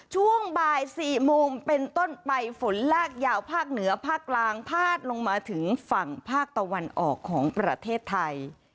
ช่วงบ่าย๔โมงเป็นต้นไปฝนลากยาวภาคเหนือภาคกลางพาดลงมาถึงฝั่งภาคตะวันออกของประเทศไทย